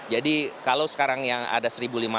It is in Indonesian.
jadi kalau sekarang yang ada satu lima ratus